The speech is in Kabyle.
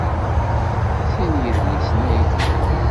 Sin n yidlisen ay tlam?